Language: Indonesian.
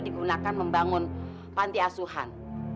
dibunakan membangun pantiasuhan